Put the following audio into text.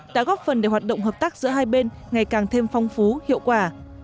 đã góp phần để hoạt động hợp tác giữa hai bên ngày càng thêm phong phú hiệu quả